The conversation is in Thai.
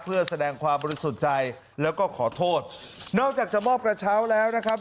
เพื่อแสดงความบริสุทธิ์ใจแล้วก็ขอโทษนอกจากจะมอบกระเช้าแล้วนะครับ